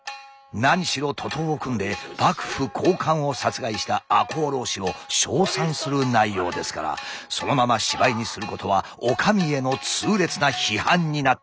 何しろ徒党を組んで幕府高官を殺害した赤穂浪士を称賛する内容ですからそのまま芝居にすることはお上への痛烈な批判になってしまいます。